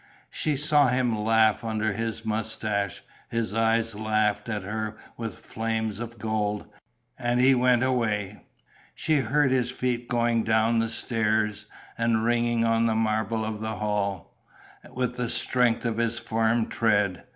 She saw him laugh under his moustache; his eyes laughed at her with flames of gold; and he went away. She heard his feet going down the stairs and ringing on the marble of the hall, with the strength of his firm tread....